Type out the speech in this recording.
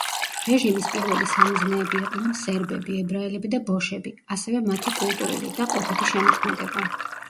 რეჟიმის პირველი სამიზნეები იყვნენ სერბები, ებრაელები და ბოშები, ასევე მათი კულტურული და ყოფითი შემოქმედება.